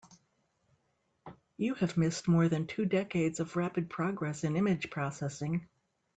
You have missed more than two decades of rapid progress in image processing.